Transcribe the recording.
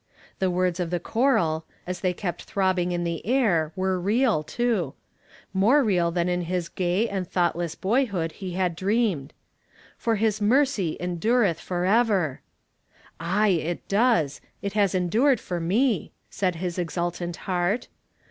The words of the choral, as they kept throbbing in the air, were real, too; more ^ eal than in his gay and thoughtless boyhood he had dreamed. "For his mercy en dureth forever !"" Aye, it does ! it has endured for me!" said h'3 exultant heart.